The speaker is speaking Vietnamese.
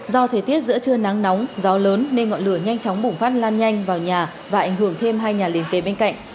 do thời tiết giữa trưa nắng nóng gió lớn nên ngọn lửa nhanh chóng bùng phát lan nhanh vào nhà và ảnh hưởng thêm hai nhà liền kề bên cạnh